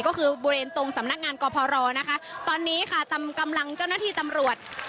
ก็คือบริเวณตรงสำนักงานกพรนะคะตอนนี้ค่ะกำลังเจ้าหน้าที่ตำรวจ